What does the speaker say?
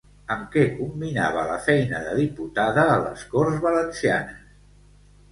Amb què combinava la feina de diputada a les Corts Valencianes?